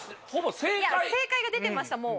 正解が出てましたもう。